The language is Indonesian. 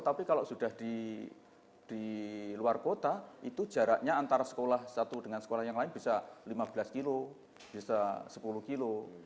tapi kalau sudah di luar kota itu jaraknya antara sekolah satu dengan sekolah yang lain bisa lima belas kilo bisa sepuluh kilo